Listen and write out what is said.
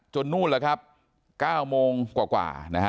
จนนู้นล่ะครับ๙โมงกว่า